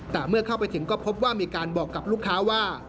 แต่เมื่อเข้าไปถึงก็พบว่ามีการบอกกับลูกค้าว่า